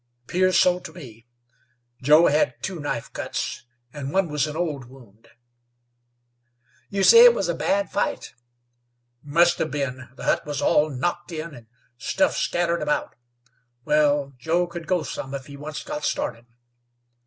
"'Pears so to me. Joe had two knife cuts, an' one was an old wound." "You say it was a bad fight?" "Must hev been. The hut was all knocked in, an' stuff scattered about. Wal, Joe could go some if he onct got started."